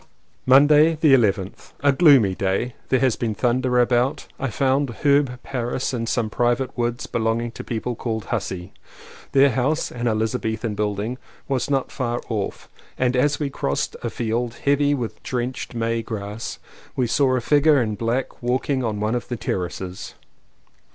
207 CONFESSIONS OF TWO BROTHERS Monday the 11th. A gloomy day; there has been thunder about. I found Herb Paris in some private woods belonging to people called Hussey. Their house, an Elizabethan building, was not far off, and as we crossed a field, heavy with drenched May grass, we saw a figure in black walking on one of the ter races.